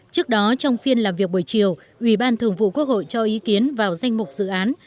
trước đó trong phiên làm việc buổi chiều ubthqh cho ý kiến vào danh mục dự án